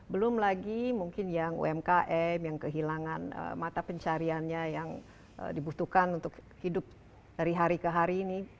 belum lagi mungkin yang umkm yang kehilangan mata pencariannya yang dibutuhkan untuk hidup dari hari ke hari ini